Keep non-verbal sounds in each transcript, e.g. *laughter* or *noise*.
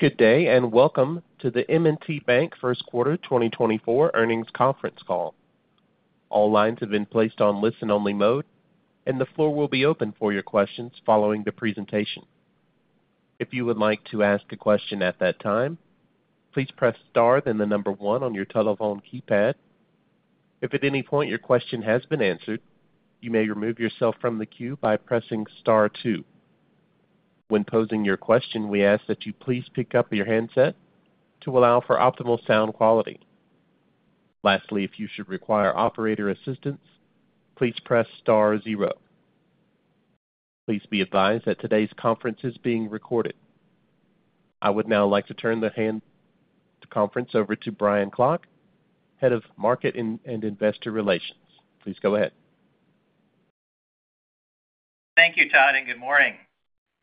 Good day and welcome to the M&T Bank First Quarter 2024 Earnings Conference Call. All lines have been placed on listen-only mode, and the floor will be open for your questions following the presentation. If you would like to ask a question at that time, please press star then the number one on your telephone keypad. If at any point your question has been answered, you may remove yourself from the queue by pressing star two. When posing your question, we ask that you please pick up your handset to allow for optimal sound quality. Lastly, if you should require operator assistance, please press star zero. Please be advised that today's conference is being recorded. I would now like to turn the conference over to Brian Klock, Head of Market and Investor Relations. Please go ahead. Thank you, Todd, and good morning.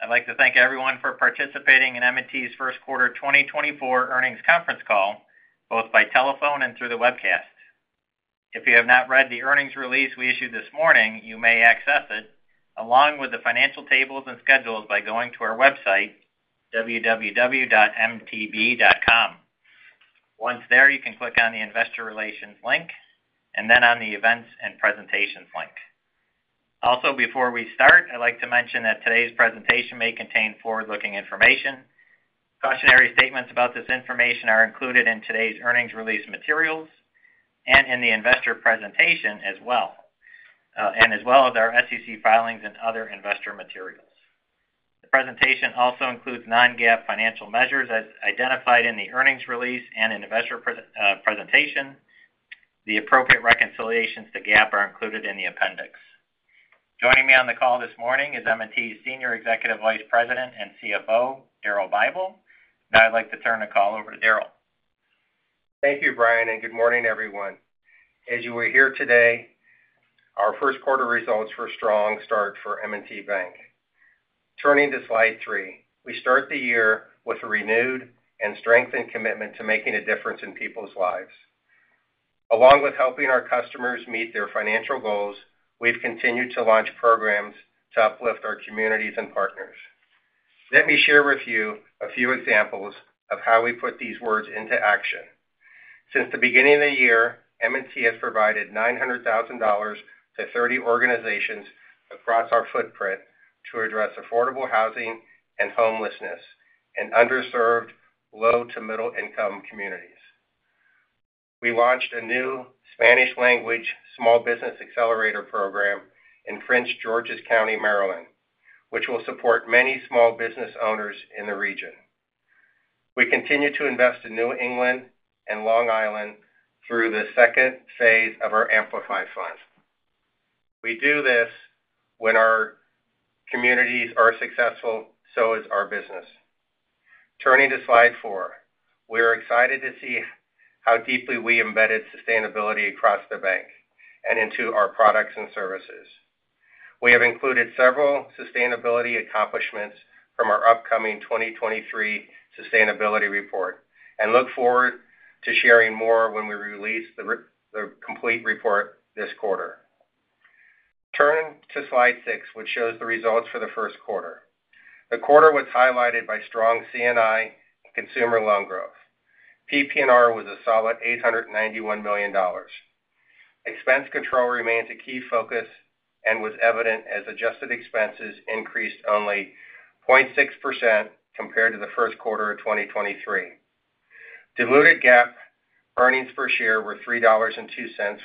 I'd like to thank everyone for participating in M&T's First Quarter 2024 Earnings Conference Call, both by telephone and through the webcast. If you have not read the earnings release we issued this morning, you may access it along with the financial tables and schedules by going to our website, www.mtb.com. Once there, you can click on the Investor Relations link and then on the Events and Presentations link. Also, before we start, I'd like to mention that today's presentation may contain forward-looking information. Cautionary statements about this information are included in today's earnings release materials and in the investor presentation as well, and as well as our SEC filings and other investor materials. The presentation also includes non-GAAP financial measures as identified in the earnings release and in investor presentation. The appropriate reconciliations to GAAP are included in the appendix. Joining me on the call this morning is M&T's Senior Executive Vice President and CFO, Daryl Bible, and I'd like to turn the call over to Daryl. Thank you, Brian, and good morning, everyone. As you are here today, our first quarter results were a strong start for M&T Bank. Turning to slide three, we start the year with a renewed and strengthened commitment to making a difference in people's lives. Along with helping our customers meet their financial goals, we've continued to launch programs to uplift our communities and partners. Let me share with you a few examples of how we put these words into action. Since the beginning of the year, M&T has provided $900,000 to 30 organizations across our footprint to address affordable housing and homelessness in underserved, low-to-middle-income communities. We launched a new Spanish-language small business accelerator program in Prince George's County, Maryland, which will support many small business owners in the region. We continue to invest in New England and Long Island through the second phase of our Amplify Fund. We do this when our communities are successful, so is our business. Turning to slide four, we are excited to see how deeply we embedded sustainability across the bank and into our products and services. We have included several sustainability accomplishments from our upcoming 2023 sustainability report and look forward to sharing more when we release the complete report this quarter. Turn to slide six, which shows the results for the first quarter. The quarter was highlighted by strong C&I consumer loan growth. PPNR was a solid $891 million. Expense control remains a key focus and was evident as adjusted expenses increased only 0.6% compared to the first quarter of 2023. Diluted GAAP earnings per share were $3.02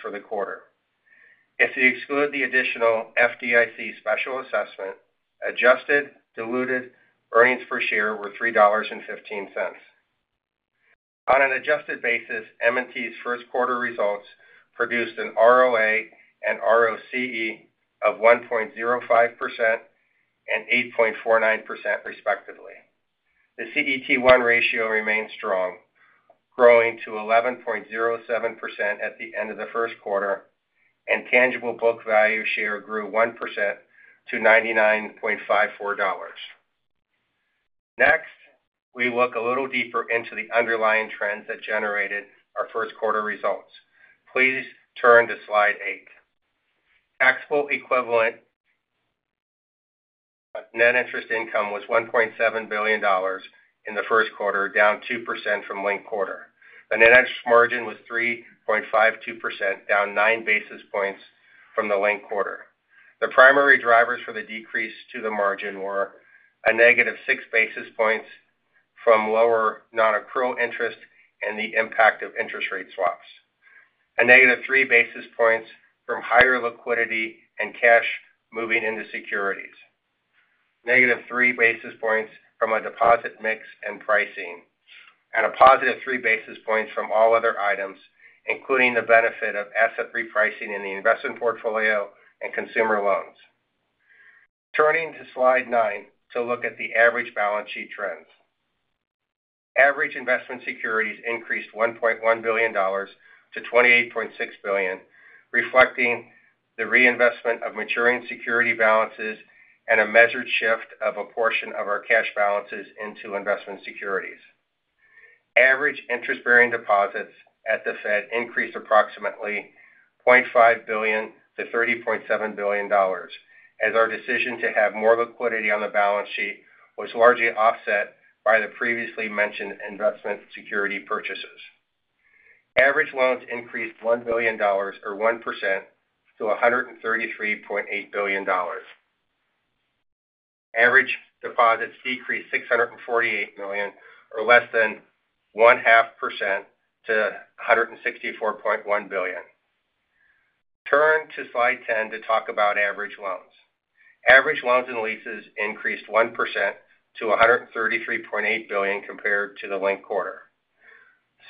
for the quarter. If you exclude the additional FDIC special assessment, adjusted diluted earnings per share were $3.15. On an adjusted basis, M&T's first quarter results produced an ROA and ROCE of 1.05% and 8.49%, respectively. The CET1 ratio remained strong, growing to 11.07% at the end of the first quarter, and tangible book value share grew 1% to $99.54. Next, we look a little deeper into the underlying trends that generated our first quarter results. Please turn to slide eight. Taxable equivalent net interest income was $1.7 billion in the first quarter, down 2% from linked quarter. The net interest margin was 3.52%, down nine basis points from the linked quarter. The primary drivers for the decrease to the margin were a -6 basis points from lower non-accrual interest and the impact of interest rate swaps, a -3 basis points from higher liquidity and cash moving into securities, -3 basis points from a deposit mix and pricing, and a +3 basis points from all other items, including the benefit of asset repricing in the investment portfolio and consumer loans. Turning to slide nine to look at the average balance sheet trends. Average investment securities increased $1.1 billion to $28.6 billion, reflecting the reinvestment of maturing security balances and a measured shift of a portion of our cash balances into investment securities. Average interest-bearing deposits at the Fed increased approximately $0.5 billion to $30.7 billion, as our decision to have more liquidity on the balance sheet was largely offset by the previously mentioned investment security purchases. Average loans increased $1 billion, or 1%, to $133.8 billion. Average deposits decreased $648 million, or less than 0.5%, to $164.1 billion. Turn to slide 10 to talk about average loans. Average loans and leases increased 1% to $133.8 billion compared to the linked quarter.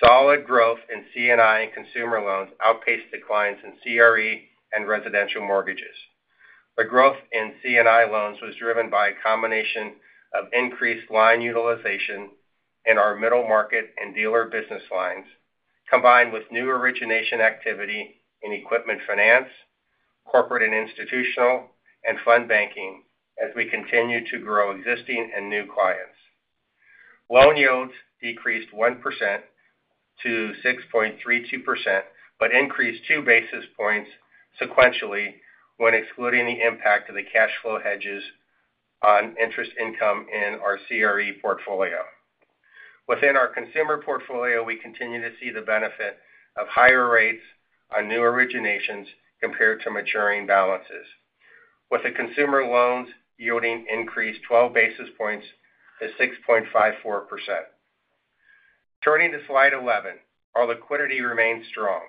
Solid growth in C&I and consumer loans outpaced declines in CRE and residential mortgages. The growth in C&I loans was driven by a combination of increased line utilization in our middle market and dealer business lines, combined with new origination activity in equipment finance, corporate and institutional, and fund banking as we continue to grow existing and new clients. Loan yields decreased 1% to 6.32% but increased two basis points sequentially when excluding the impact of the cash flow hedges on interest income in our CRE portfolio. Within our consumer portfolio, we continue to see the benefit of higher rates on new originations compared to maturing balances, with the consumer loans yielding increased 12 basis points to 6.54%. Turning to slide 11, our liquidity remains strong.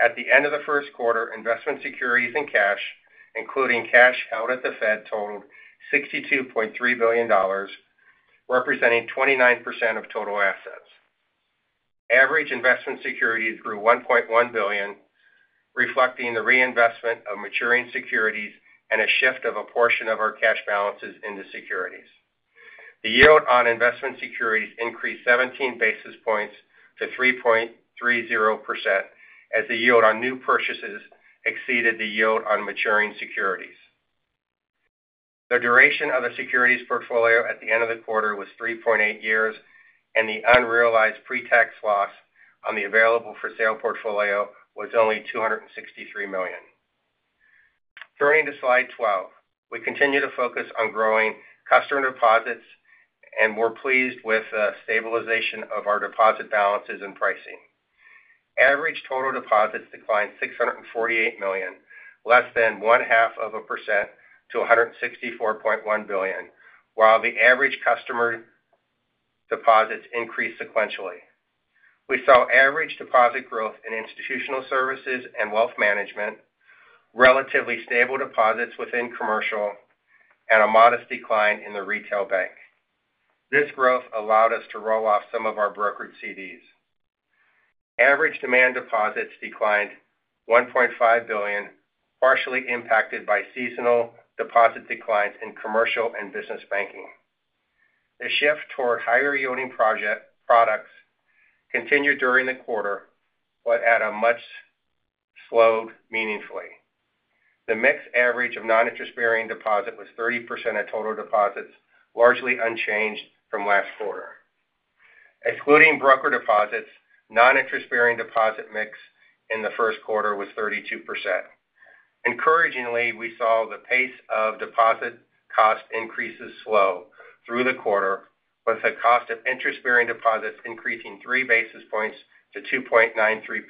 At the end of the first quarter, investment securities and cash, including cash held at the Fed, totaled $62.3 billion, representing 29% of total assets. Average investment securities grew $1.1 billion, reflecting the reinvestment of maturing securities and a shift of a portion of our cash balances into securities. The yield on investment securities increased 17 basis points to 3.30% as the yield on new purchases exceeded the yield on maturing securities. The duration of the securities portfolio at the end of the quarter was 3.8 years, and the unrealized pre-tax loss on the available-for-sale portfolio was only $263 million. Turning to slide 12, we continue to focus on growing customer deposits, and we're pleased with the stabilization of our deposit balances and pricing. Average total deposits declined $648 million, less than 0.5%, to $164.1 billion, while the average customer deposits increased sequentially. We saw average deposit growth in Institutional Services and Wealth Management, relatively stable deposits within commercial, and a modest decline in the retail bank. This growth allowed us to roll off some of our brokered CDs. Average demand deposits declined $1.5 billion, partially impacted by seasonal deposit declines in commercial and business banking. The shift toward higher-yielding products continued during the quarter but at a much slower meaningfully. The average mix of non-interest-bearing deposits was 30% of total deposits, largely unchanged from last quarter. Excluding brokered deposits, non-interest-bearing deposit mix in the first quarter was 32%. Encouragingly, we saw the pace of deposit cost increases slow through the quarter, with the cost of interest-bearing deposits increasing three basis points to 2.93%.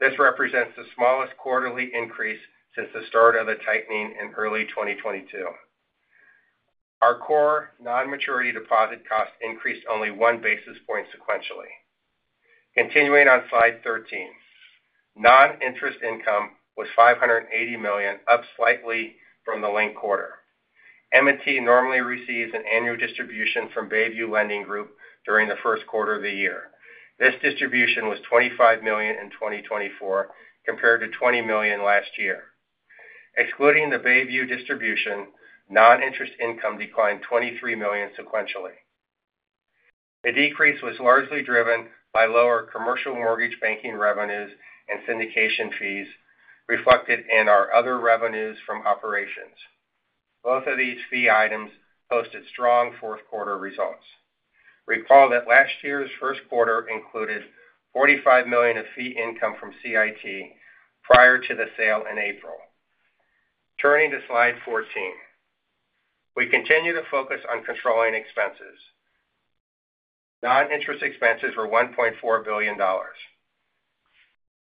This represents the smallest quarterly increase since the start of the tightening in early 2022. Our core non-maturity deposit cost increased only one basis point sequentially. Continuing on slide 13, non-interest income was $580 million, up slightly from the linked quarter. M&T normally receives an annual distribution from Bayview Lending Group during the first quarter of the year. This distribution was $25 million in 2024 compared to $20 million last year. Excluding the Bayview distribution, non-interest income declined $23 million sequentially. The decrease was largely driven by lower commercial mortgage banking revenues and syndication fees, reflected in our other revenues from operations. Both of these fee items posted strong fourth quarter results. Recall that last year's first quarter included $45 million of fee income from CIT prior to the sale in April. Turning to slide 14, we continue to focus on controlling expenses. Non-interest expenses were $1.4 billion.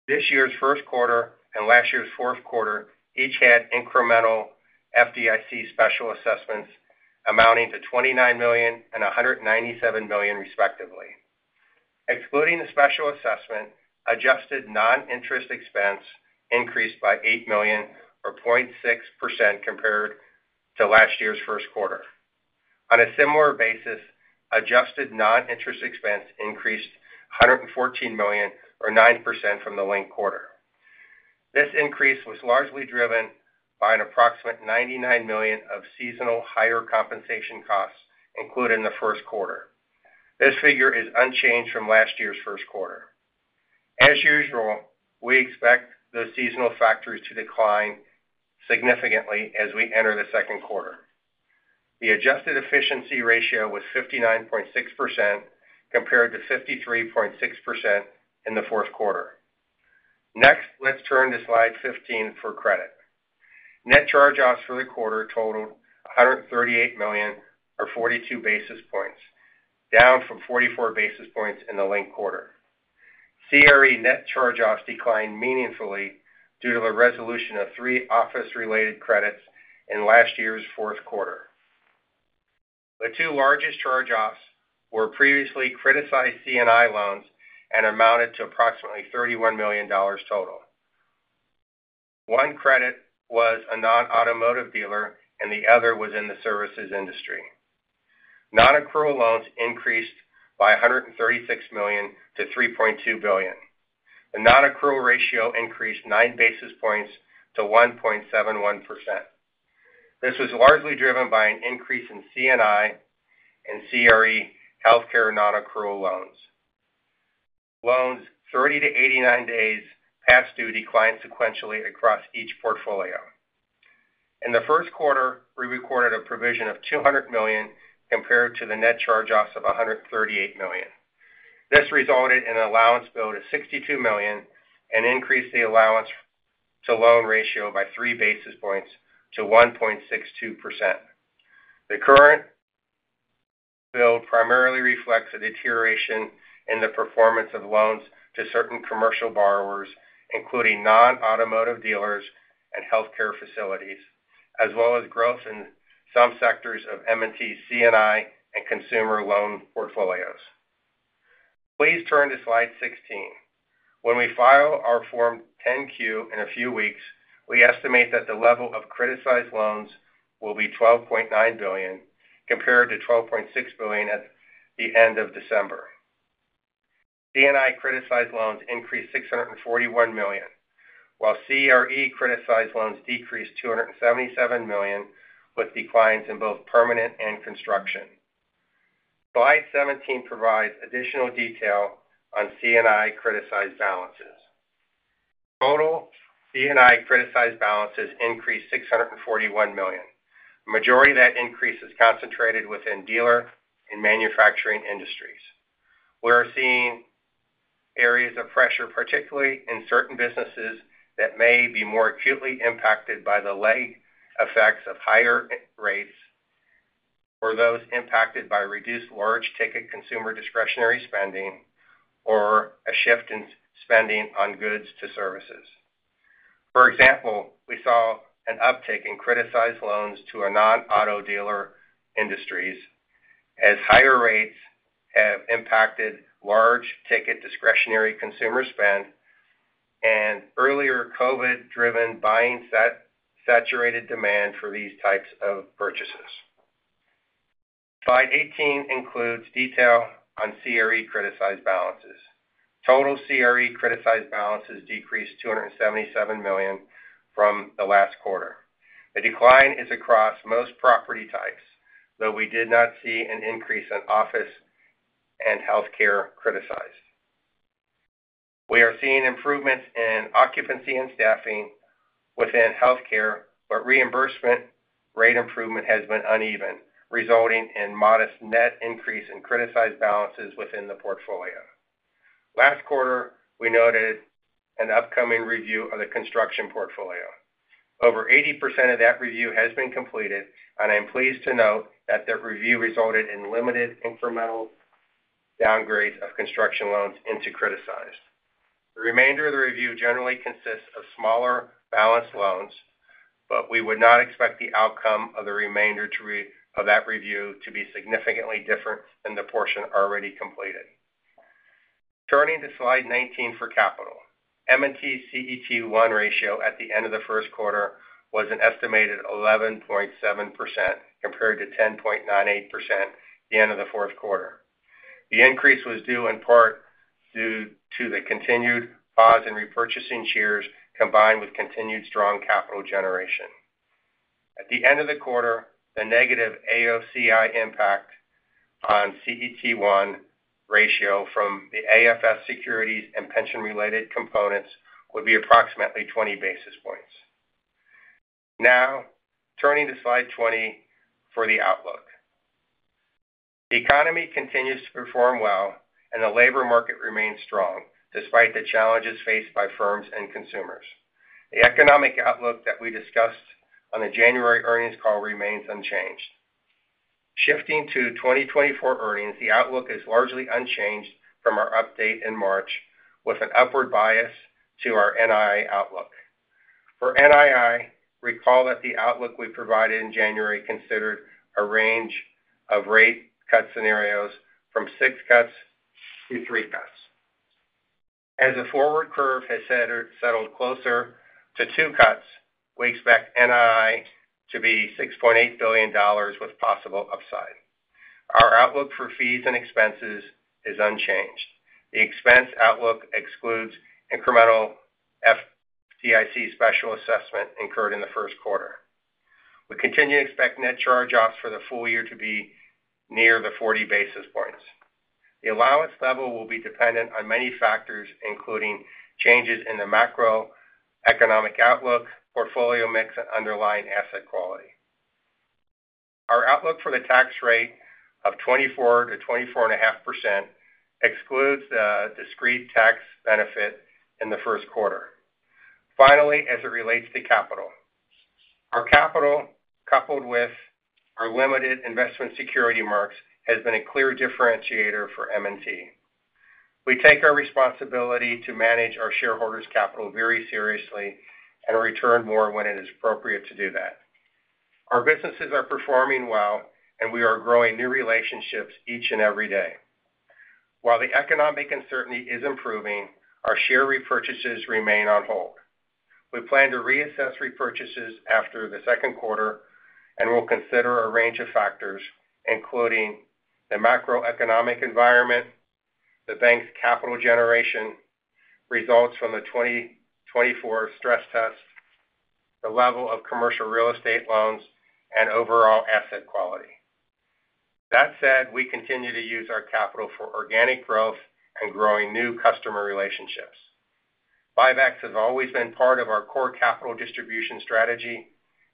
This year's first quarter and last year's fourth quarter each had incremental FDIC special assessments amounting to $29 million and $197 million, respectively. Excluding the special assessment, adjusted non-interest expense increased by $8 million, or 0.6%, compared to last year's first quarter. On a similar basis, adjusted non-interest expense increased $114 million, or 9%, from the linked quarter. This increase was largely driven by an approximate $99 million of seasonal higher compensation costs, including the first quarter. This figure is unchanged from last year's first quarter. As usual, we expect the seasonal factors to decline significantly as we enter the second quarter. The adjusted efficiency ratio was 59.6% compared to 53.6% in the fourth quarter. Next, let's turn to slide 15 for credit. Net charge-offs for the quarter totaled $138 million, or 42 basis points, down from 44 basis points in the linked quarter. CRE net charge-offs declined meaningfully due to the resolution of three office-related credits in last year's fourth quarter. The two largest charge-offs were previously criticized C&I loans and amounted to approximately $31 million total. One credit was a non-automotive dealer, and the other was in the services industry. Non-accrual loans increased by $136 million to $3.2 billion. The non-accrual ratio increased nine basis points to 1.71%. This was largely driven by an increase in C&I and CRE healthcare non-accrual loans. Loans 30-89 days past due declined sequentially across each portfolio. In the first quarter, we recorded a provision of $200 million compared to the net charge-offs of $138 million. This resulted in an allowance build of $62 million and increased the allowance-to-loan ratio by three basis points to 1.62%. The current build primarily reflects a deterioration in the performance of loans to certain commercial borrowers, including non-automotive dealers and healthcare facilities, as well as growth in some sectors of M&T's C&I and consumer loan portfolios. Please turn to slide 16. When we file our Form 10-Q in a few weeks, we estimate that the level of criticized loans will be $12.9 billion compared to $12.6 billion at the end of December. C&I criticized loans increased $641 million, while CRE criticized loans decreased $277 million with declines in both permanent and construction. Slide 17 provides additional detail on C&I criticized balances. Total C&I criticized balances increased $641 million. The majority of that increase is concentrated within dealer and manufacturing industries. We are seeing areas of pressure, particularly in certain businesses, that may be more acutely impacted by the lag effects of higher rates or those impacted by reduced large-ticket consumer discretionary spending or a shift in spending on goods to services. For example, we saw an uptick in criticized loans to non-auto dealer industries as higher rates have impacted large-ticket discretionary consumer spend and earlier COVID-driven buying saturated demand for these types of purchases. Slide 18 includes detail on CRE criticized balances. Total CRE criticized balances decreased $277 million from the last quarter. The decline is across most property types, though we did not see an increase in office and healthcare criticized. We are seeing improvements in occupancy and staffing within healthcare, but reimbursement rate improvement has been uneven, resulting in modest net increase in criticized balances within the portfolio. Last quarter, we noted an upcoming review of the construction portfolio. Over 80% of that review has been completed, and I'm pleased to note that the review resulted in limited incremental downgrades of construction loans into criticized. The remainder of the review generally consists of smaller balanced loans, but we would not expect the outcome of the remainder of that review to be significantly different than the portion already completed. Turning to slide 19 for capital. M&T's CET1 ratio at the end of the first quarter was an estimated 11.7% compared to 10.98% at the end of the fourth quarter. The increase was due in part due to the continued pause in repurchasing shares combined with continued strong capital generation. At the end of the quarter, the negative AOCI impact on CET1 ratio from the AFS securities and pension-related components would be approximately 20 basis points. Now, turning to slide 20 for the outlook. The economy continues to perform well, and the labor market remains strong despite the challenges faced by firms and consumers. The economic outlook that we discussed on the January earnings call remains unchanged. Shifting to 2024 earnings, the outlook is largely unchanged from our update in March with an upward bias to our NII outlook. For NII, recall that the outlook we provided in January considered a range of rate cut scenarios from six cuts to three cuts. As a forward curve has settled closer to two cuts, we expect NII to be $6.8 billion with possible upside. Our outlook for fees and expenses is unchanged. The expense outlook excludes incremental FDIC special assessment incurred in the first quarter. We continue to expect net charge-offs for the full year to be near the 40 basis points. The allowance level will be dependent on many factors, including changes in the macroeconomic outlook, portfolio mix, and underlying asset quality. Our outlook for the tax rate of 24%-24.5% excludes the discrete tax benefit in the first quarter. Finally, as it relates to capital, our capital coupled with our limited investment security marks has been a clear differentiator for M&T. We take our responsibility to manage our shareholders' capital very seriously and return more when it is appropriate to do that. Our businesses are performing well, and we are growing new relationships each and every day. While the economic uncertainty is improving, our share repurchases remain on hold. We plan to reassess repurchases after the second quarter, and we'll consider a range of factors, including the macroeconomic environment, the bank's capital generation, results from the 2024 stress test, the level of commercial real estate loans, and overall asset quality. That said, we continue to use our capital for organic growth and growing new customer relationships. Buybacks have always been part of our core capital distribution strategy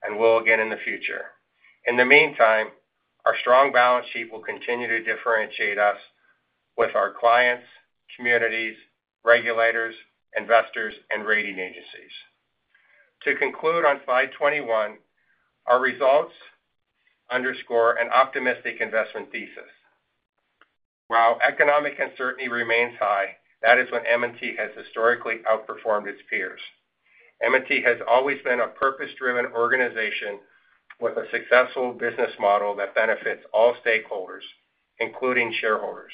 and will again in the future. In the meantime, our strong balance sheet will continue to differentiate us with our clients, communities, regulators, investors, and rating agencies. To conclude on slide 21, our results underscore an optimistic investment thesis. While economic uncertainty remains high, that is when M&T has historically outperformed its peers. M&T has always been a purpose-driven organization with a successful business model that benefits all stakeholders, including shareholders.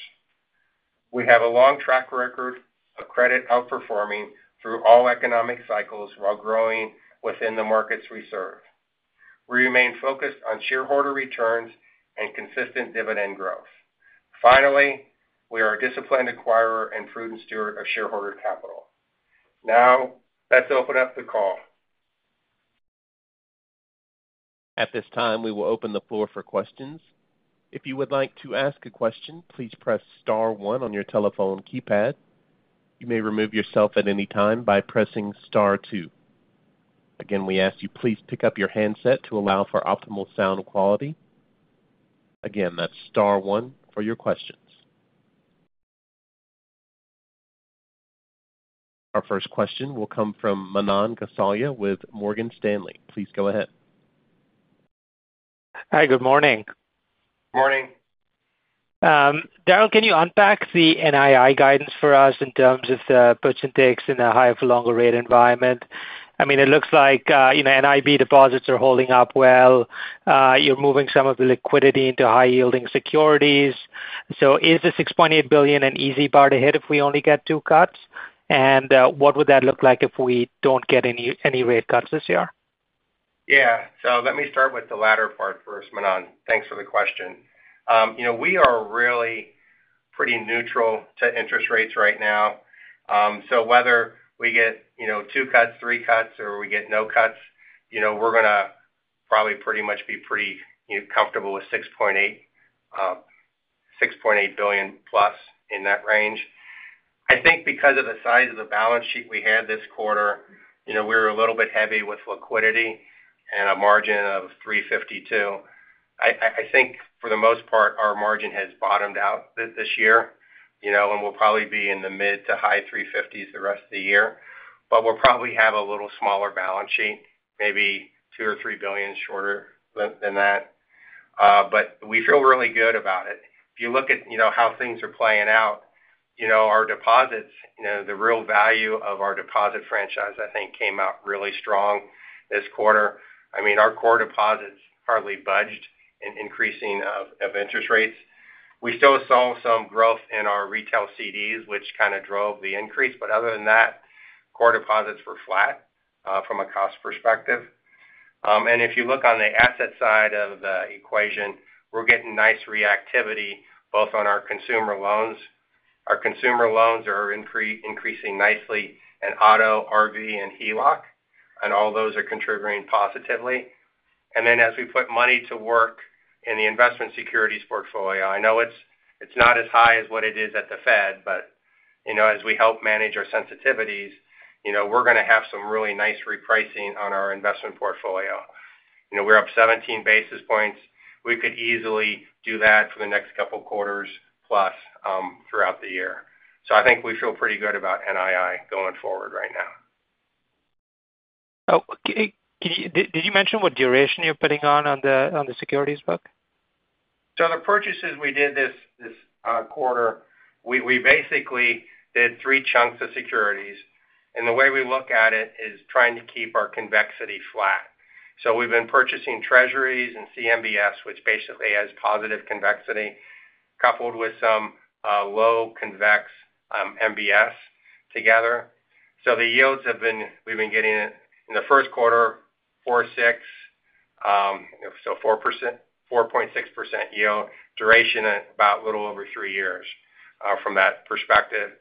We have a long track record of credit outperforming through all economic cycles while growing within the markets we serve. We remain focused on shareholder returns and consistent dividend growth. Finally, we are a disciplined acquirer and prudent steward of shareholder capital. Now, let's open up the call. At this time, we will open the floor for questions. If you would like to ask a question, please press star one on your telephone keypad. You may remove yourself at any time by pressing star two. Again, we ask you please pick up your handset to allow for optimal sound quality. Again, that's star one for your questions. Our first question will come from Manan Gosalia with Morgan Stanley. Please go ahead. Hi. Good morning. Morning. Daryl, can you unpack the NII guidance for us in terms of the percentage in the higher-for-longer rate environment? I mean, it looks like NIB deposits are holding up well. You're moving some of the liquidity into high-yielding securities. So is the $6.8 billion an easy bar to hit if we only get two cuts? And what would that look like if we don't get any rate cuts this year? Yeah. So let me start with the latter part first, Manan. Thanks for the question. We are really pretty neutral to interest rates right now. So whether we get two cuts, three cuts, or we get no cuts, we're going to probably pretty much be pretty comfortable with $6.8 billion+ in that range. I think because of the size of the balance sheet we had this quarter, we were a little bit heavy with liquidity and a margin of 352. I think for the most part, our margin has bottomed out this year, and we'll probably be in the mid to high-350s the rest of the year. But we'll probably have a little smaller balance sheet, maybe $2 billion-$3 billion shorter than that. But we feel really good about it. If you look at how things are playing out, our deposits, the real value of our deposit franchise, I think, came out really strong this quarter. I mean, our core deposits hardly budged in the face of increasing interest rates. We still saw some growth in our retail CDs, which kind of drove the increase. But other than that, core deposits were flat from a cost perspective. And if you look on the asset side of the equation, we're getting nice reactivity both on our consumer loans. Our consumer loans are increasing nicely, and auto, RV, and HELOC, and all those are contributing positively. And then as we put money to work in the investment securities portfolio, I know it's not as high as what it is at the Fed, but as we help manage our sensitivities, we're going to have some really nice repricing on our investment portfolio. We're up 17 basis points. We could easily do that for the next couple of quarters plus throughout the year. So I think we feel pretty good about NII going forward right now. Did you mention what duration you're putting on the securities book? So the purchases we did this quarter, we basically did three chunks of securities. And the way we look at it is trying to keep our convexity flat. So we've been purchasing Treasuries and CMBS, which basically has positive convexity coupled with some low-convex MBS together. So the yields we've been getting in the first quarter, 4.6% yield, duration about a little over three years from that perspective.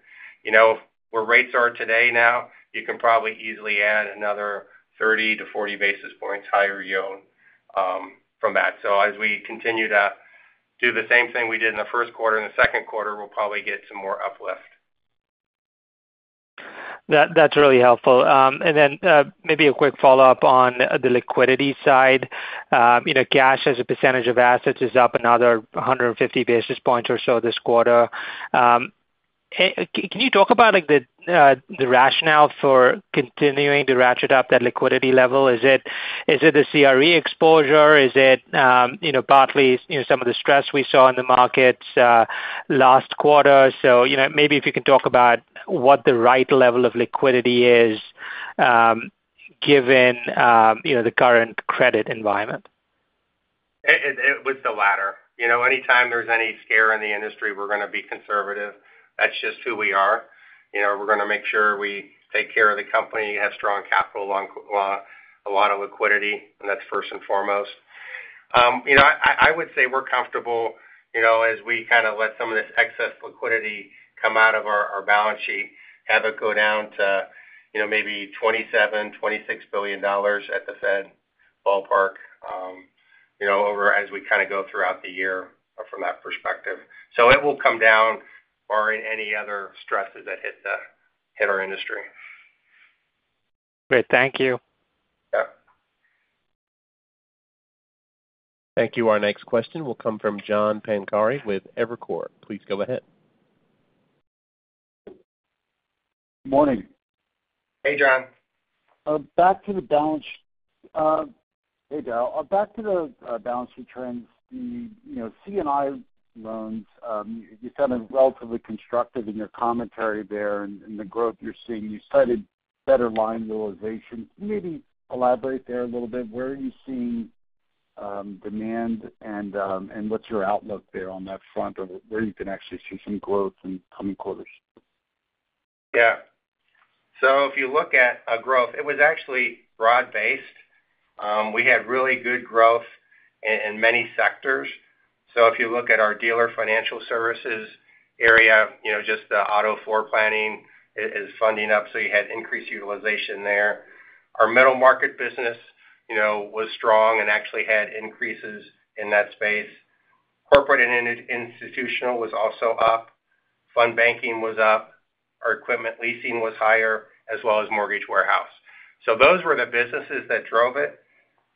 Where rates are today now, you can probably easily add another 30-40 basis points higher yield from that. So as we continue to do the same thing we did in the first quarter and the second quarter, we'll probably get some more uplift. That's really helpful. And then maybe a quick follow-up on the liquidity side. Cash as a percentage of assets is up another 150 basis points or so this quarter. Can you talk about the rationale for continuing to ratchet up that liquidity level? Is it the CRE exposure? Is it partly some of the stress we saw in the markets last quarter? So maybe if you can talk about what the right level of liquidity is given the current credit environment? It was the latter. Anytime there's any scare in the industry, we're going to be conservative. That's just who we are. We're going to make sure we take care of the company, have strong capital, a lot of liquidity, and that's first and foremost. I would say we're comfortable as we kind of let some of this excess liquidity come out of our balance sheet, have it go down to maybe $27 billion-$26 billion at the Fed ballpark as we kind of go throughout the year from that perspective. So it will come down. Or any other stresses that hit our industry. Great. Thank you. Thank you. Our next question will come from John Pancari with Evercore. Please go ahead. Good morning. Hey, John. Back to the balance, hey, Daryl. Back to the balance sheet trends. The C&I loans, you sounded relatively constructive in your commentary there and the growth you're seeing. You cited better line utilization. Maybe elaborate there a little bit. Where are you seeing demand, and what's your outlook there on that front, or where you can actually see some growth in coming quarters? Yeah. So if you look at growth, it was actually broad-based. We had really good growth in many sectors. So if you look at our dealer financial services area, just the auto floor planning is funding up, so you had increased utilization there. Our middle market business was strong and actually had increases in that space. Corporate and institutional was also up. Fund banking was up. Our equipment leasing was higher, as well as mortgage warehouse. So those were the businesses that drove it.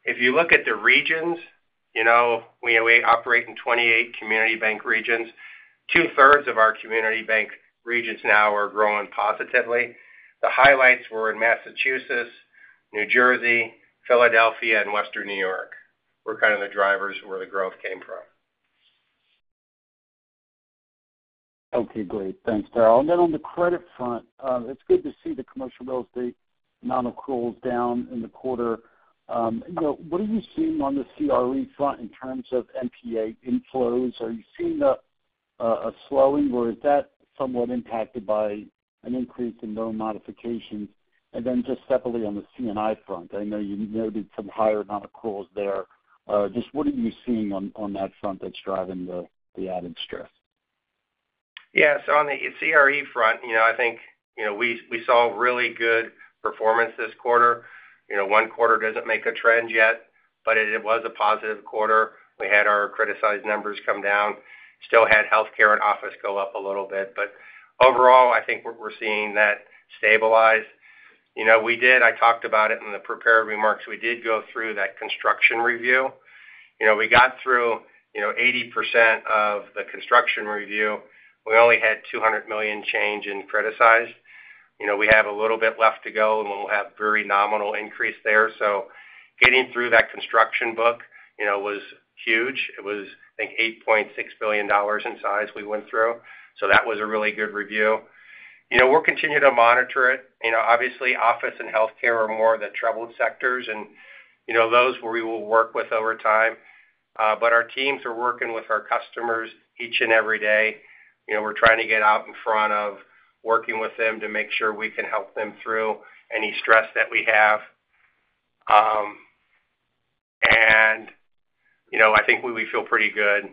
If you look at the regions, we operate in 28 community bank regions. 2/3 of our community bank regions now are growing positively. The highlights were in Massachusetts, New Jersey, Philadelphia, and Western New York were kind of the drivers where the growth came from. Okay. Great. Thanks, Daryl. And then on the credit front, it's good to see the commercial real estate non-accruals down in the quarter. What are you seeing on the CRE front in terms of NPA inflows? Are you seeing a slowing, or is that somewhat impacted by an increase in loan modifications? And then just separately on the C&I front, I know you noted some higher non-accruals there. Just what are you seeing on that front that's driving the added stress? Yeah. So on the CRE front, I think we saw really good performance this quarter. One quarter doesn't make a trend yet, but it was a positive quarter. We had our criticized numbers come down. Still had healthcare and office go up a little bit. But overall, I think we're seeing that stabilize. I talked about it in the prepared remarks. We did go through that construction review. We got through 80% of the construction review. We only had $200 million change in criticized. We have a little bit left to go, and we'll have very nominal increase there. So getting through that construction book was huge. It was, I think, $8.6 billion in size we went through. So that was a really good review. We'll continue to monitor it. Obviously, office and healthcare are more of the troubled sectors, and those we will work with over time. But our teams are working with our customers each and every day. We're trying to get out in front of working with them to make sure we can help them through any stress that we have. I think we feel pretty good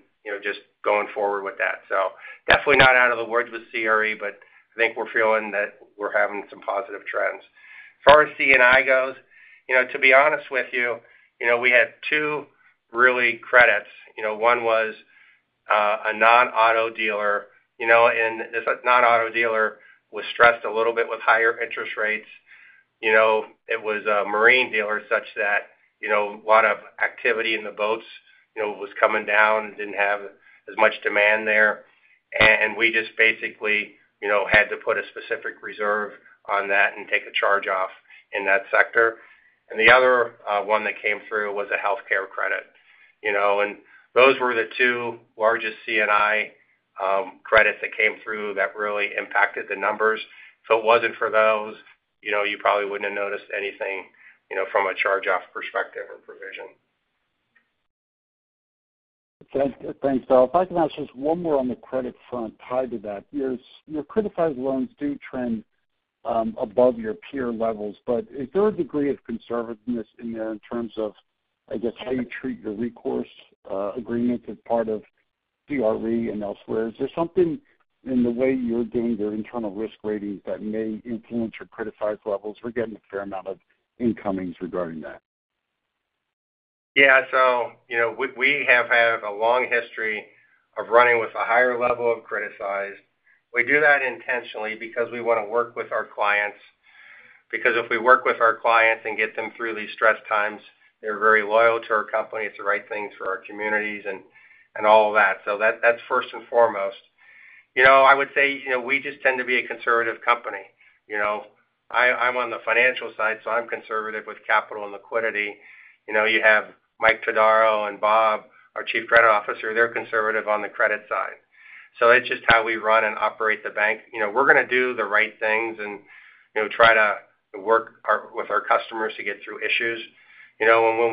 just going forward with that. So definitely not out of the woods with CRE, but I think we're feeling that we're having some positive trends. As far as C&I goes, to be honest with you, we had two real credits. One was a non-auto dealer, and this non-auto dealer was stressed a little bit with higher interest rates. It was a marine dealer such that a lot of activity in the boats was coming down and didn't have as much demand there. And we just basically had to put a specific reserve on that and take a charge off in that sector. And the other one that came through was a healthcare credit. And those were the two largest C&I credits that came through that really impacted the numbers. If it wasn't for those, you probably wouldn't have noticed anything from a charge-off perspective or provision. Thanks, Daryl. If I can ask just one more on the credit front tied to that. Your criticized loans do trend above your peer levels, but is there a degree of conservativeness in there in terms of, I guess, how you treat your recourse agreements as part of CRE and elsewhere? Is there something in the way you're doing your internal risk ratings that may influence your criticized levels? We're getting a fair amount of incomings regarding that. Yeah. So we have had a long history of running with a higher level of criticized. We do that intentionally because we want to work with our clients. Because if we work with our clients and get them through these stress times, they're very loyal to our company. It's the right thing for our communities and all of that. So that's first and foremost. I would say we just tend to be a conservative company. I'm on the financial side, so I'm conservative with capital and liquidity. You have Mike Todaro and Bob, our Chief Credit Officer. They're conservative on the credit side. So it's just how we run and operate the bank. We're going to do the right things and try to work with our customers to get through issues. And when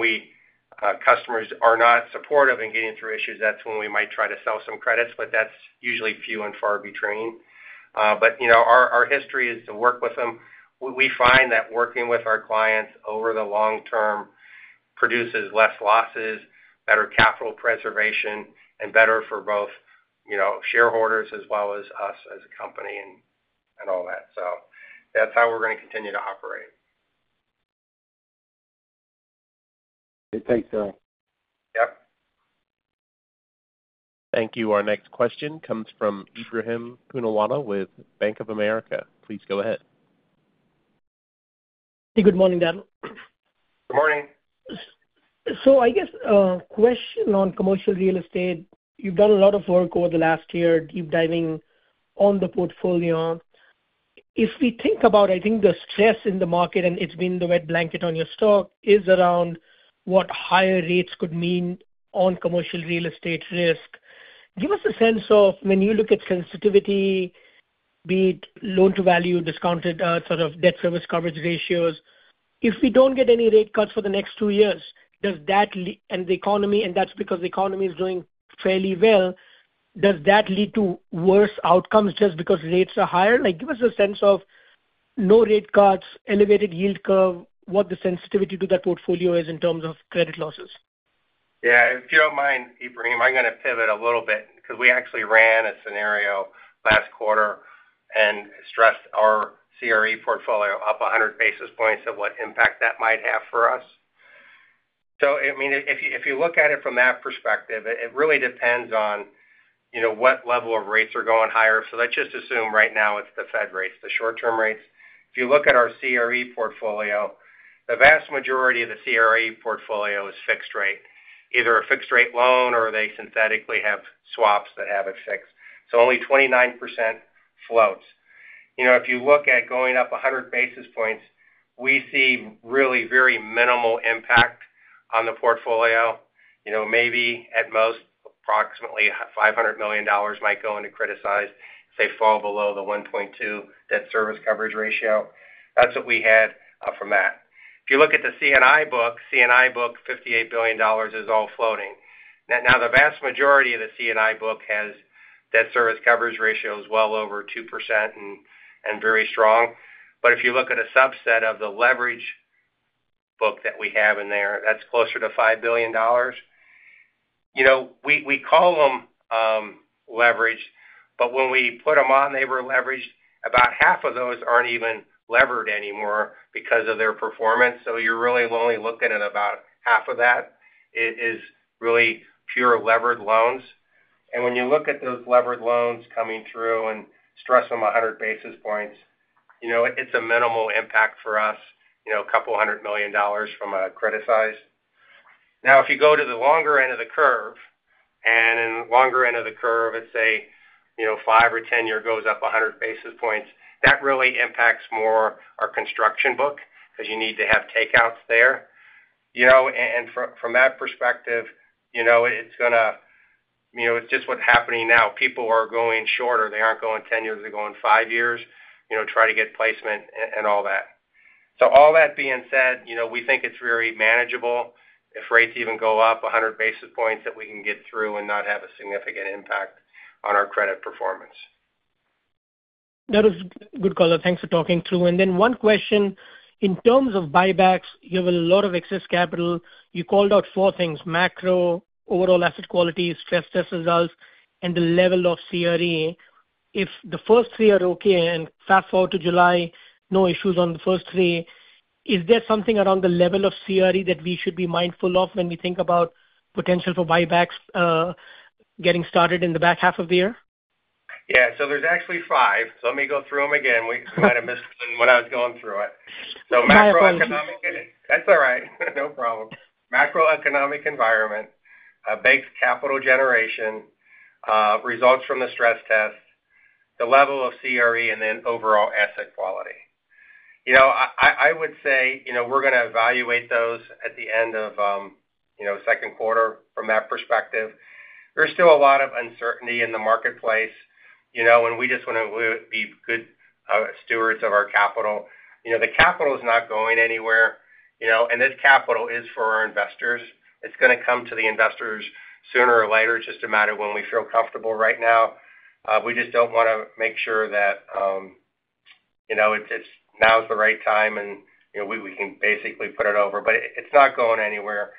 customers are not supportive in getting through issues, that's when we might try to sell some credits, but that's usually few and far between. But our history is to work with them. We find that working with our clients over the long term produces less losses, better capital preservation, and better for both shareholders as well as us as a company and all that. So that's how we're going to continue to operate. Great. Thanks, Daryl. Yep. Thank you. Our next question comes from Ebrahim Poonawala with Bank of America. Please go ahead. Hey, good morning, Daryl. Good morning. So I guess a question on commercial real estate. You've done a lot of work over the last year, deep diving on the portfolio. If we think about, I think, the stress in the market, and it's been the red blanket on your stock, is around what higher rates could mean on commercial real estate risk. Give us a sense of when you look at sensitivity, be it loan-to-value, discounted sort of debt service coverage ratios, if we don't get any rate cuts for the next two years, does that and the economy and that's because the economy is doing fairly well. Does that lead to worse outcomes just because rates are higher? Give us a sense of no rate cuts, elevated yield curve, what the sensitivity to that portfolio is in terms of credit losses. Yeah. If you don't mind, Ebrahim, I'm going to pivot a little bit because we actually ran a scenario last quarter and stressed our CRE portfolio up 100 basis points of what impact that might have for us. So I mean, if you look at it from that perspective, it really depends on what level of rates are going higher. So let's just assume right now it's the Fed rates, the short-term rates. If you look at our CRE portfolio, the vast majority of the CRE portfolio is fixed rate, either a fixed-rate loan or they synthetically have swaps that have it fixed. So only 29% floats. If you look at going up 100 basis points, we see really very minimal impact on the portfolio. Maybe at most, approximately $500 million might go into criticized if they fall below the 1.2 debt service coverage ratio. That's what we had from that. If you look at the C&I book, C&I book, $58 billion is all floating. Now, the vast majority of the C&I book has debt service coverage ratios well over 2% and very strong. But if you look at a subset of the leverage book that we have in there, that's closer to $5 billion. We call them leveraged, but when we put them on, they were leveraged. About half of those aren't even levered anymore because of their performance. So you're really only looking at about half of that is really pure levered loans. And when you look at those levered loans coming through and stress them 100 basis points, it's a minimal impact for us, $200 million from a criticized. Now, if you go to the longer end of the curve and in the longer end of the curve, let's say five or 10 years goes up 100 basis points, that really impacts more our construction book because you need to have takeouts there. And from that perspective, it's going to it's just what's happening now. People are going shorter. They aren't going 10 years. They're going five years, try to get placement and all that. So all that being said, we think it's very manageable if rates even go up 100 basis points that we can get through and not have a significant impact on our credit performance. That is good, Daryl. Thanks for talking through. And then one question. In terms of buybacks, you have a lot of excess capital. You called out four things: macro, overall asset quality, stress test results, and the level of CRE. If the first three are okay and fast forward to July, no issues on the first three, is there something around the level of CRE that we should be mindful of when we think about potential for buybacks getting started in the back half of the year? Yeah. So there's actually five. So let me go through them again. I might have missed one when I was going through it. So macroeconomic that's all right. No problem. Macroeconomic environment, bank capital generation, results from the stress test, the level of CRE, and then overall asset quality. I would say we're going to evaluate those at the end of second quarter from that perspective. There's still a lot of uncertainty in the marketplace, and we just want to be good stewards of our capital. The capital is not going anywhere, and this capital is for our investors. It's going to come to the investors sooner or later. It's just a matter of when we feel comfortable right now. We just don't want to make sure that it's now's the right time, and we can basically put it over. But it's not going anywhere.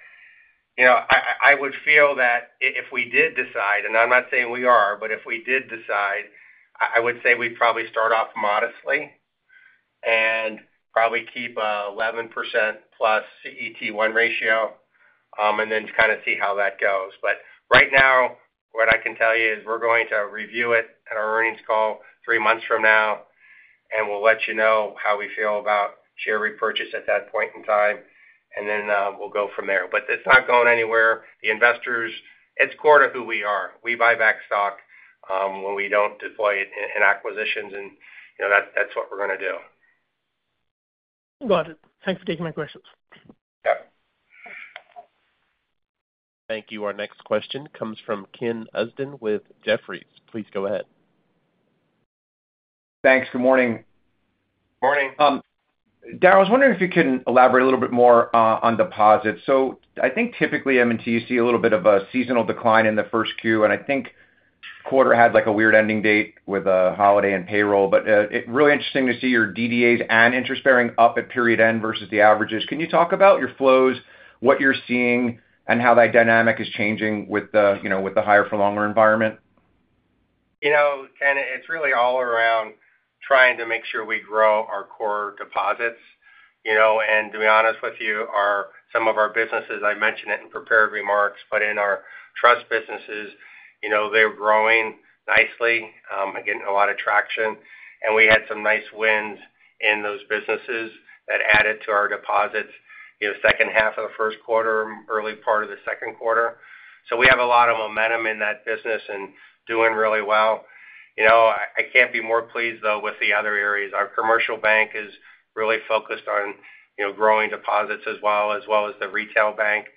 I would feel that if we did decide and I'm not saying we are, but if we did decide, I would say we'd probably start off modestly and probably keep an 11%+ CET1 ratio and then kind of see how that goes. But right now, what I can tell you is we're going to review it at our earnings call three months from now, and we'll let you know how we feel about share repurchase at that point in time, and then we'll go from there. But it's not going anywhere. It's core to who we are. We buy back stock when we don't deploy it in acquisitions, and that's what we're going to do. Got it. Thanks for taking my questions. Yep. Thank you. Our next question comes from Ken Usdin with Jefferies. Please go ahead. Thanks. Good morning. Morning. Daryl, I was wondering if you could elaborate a little bit more on deposits. So I think typically, M&T, you see a little bit of a seasonal decline in the first Q, and I think quarter had a weird ending date with a holiday and payroll. But it's really interesting to see your DDAs and interest bearing up at period end versus the averages. Can you talk about your flows, what you're seeing, and how that dynamic is changing with the higher-for-longer environment? Ken, it's really all around trying to make sure we grow our core deposits. And to be honest with you, some of our businesses I mentioned it in prepared remarks, but in our trust businesses, they're growing nicely, getting a lot of traction. We had some nice wins in those businesses that added to our deposits second half of the first quarter and early part of the second quarter. So we have a lot of momentum in that business and doing really well. I can't be more pleased, though, with the other areas. Our commercial bank is really focused on growing deposits as well as the retail bank.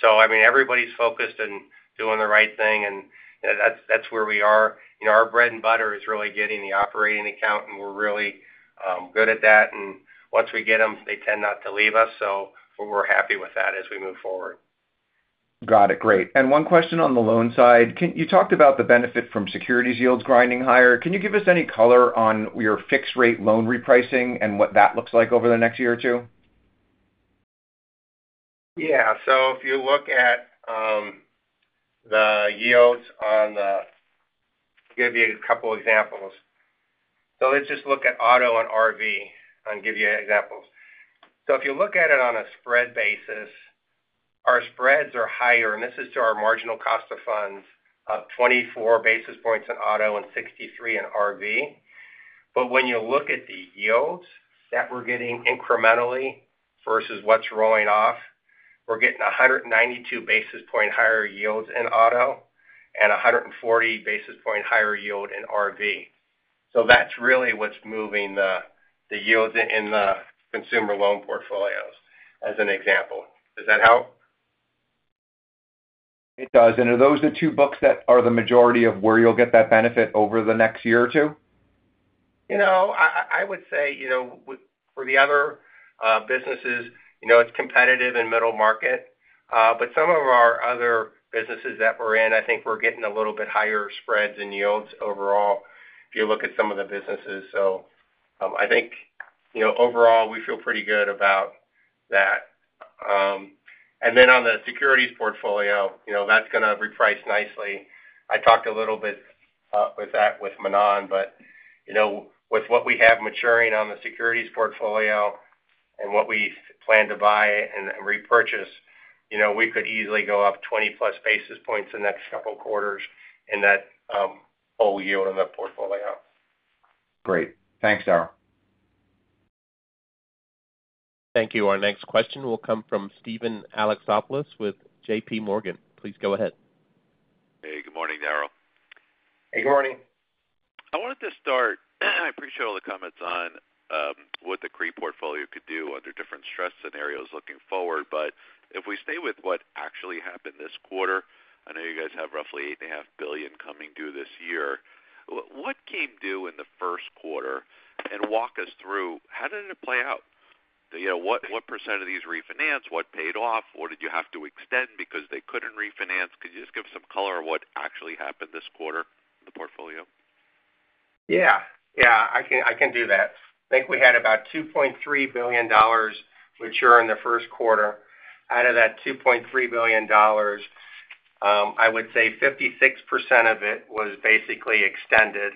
So I mean, everybody's focused on doing the right thing, and that's where we are. Our bread and butter is really getting the operating account, and we're really good at that. And once we get them, they tend not to leave us. So we're happy with that as we move forward. Got it. Great. And one question on the loan side. You talked about the benefit from securities yields grinding higher. Can you give us any color on your fixed-rate loan repricing and what that looks like over the next year or two? Yeah. So if you look at the yields on the, I'll give you a couple examples. So let's just look at auto and RV and give you examples. So if you look at it on a spread basis, our spreads are higher, and this is to our marginal cost of funds, up 24 basis points in auto and 63 in RV. But when you look at the yields that we're getting incrementally versus what's rolling off, we're getting 192 basis points higher yields in auto and 140 basis points higher yield in RV. So that's really what's moving the yields in the consumer loan portfolios as an example. Does that help? It does. And are those the two books that are the majority of where you'll get that benefit over the next year or two? I would say for the other businesses, it's competitive in middle market. But some of our other businesses that we're in, I think we're getting a little bit higher spreads and yields overall if you look at some of the businesses. So I think overall, we feel pretty good about that. And then on the securities portfolio, that's going to reprice nicely. I talked a little bit with that with Manan, but with what we have maturing on the securities portfolio and what we plan to buy and repurchase, we could easily go up 20+ basis points the next couple quarters in that whole yield in the portfolio. Great. Thanks, Daryl. Thank you. Our next question will come from Steven Alexopoulos with J.P. Morgan. Please go ahead. Hey. Good morning, Daryl. Hey. Good morning. I wanted to start. I appreciate all the comments on what the CRE portfolio could do under different stress scenarios looking forward. But if we stay with what actually happened this quarter. I know you guys have roughly $8.5 billion coming due this year - what came due in the first quarter? And walk us through how did it play out? What percent of these refinanced? What paid off? What did you have to extend because they couldn't refinance? Could you just give us some color of what actually happened this quarter in the portfolio? Yeah. Yeah. I can do that. I think we had about $2.3 billion mature in the first quarter. Out of that $2.3 billion, I would say 56% of it was basically extended.